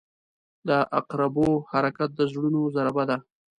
• د عقربو حرکت د زړونو ضربه ده.